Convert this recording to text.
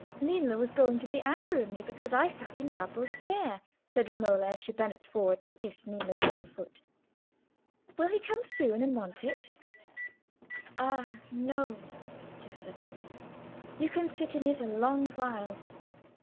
"Lillo was going to be angry with me, because I sat in Babbo's chair," said Romola, as she bent forward to kiss Ninna's little foot. "Will he come soon and want it?" "Ah, no!" said Tessa, "you can sit in it a long while.